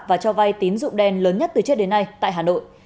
và cho vay tín dụng đen lớn nhất từ trước đến nay tại hà nội